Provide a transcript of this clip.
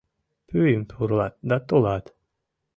Пӱйым пурлат да толат.